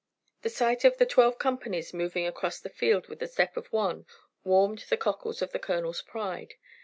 The sight of the twelve companies moving across the field with the step of one warmed the cockles of the colonel's pride.